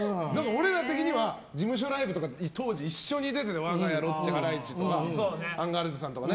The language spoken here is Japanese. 俺ら的には事務所ライブとか当時一緒に出てて我が家、ロッチ、ハライチとかアンガールズさんとか。